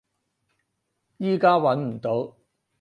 依家揾唔到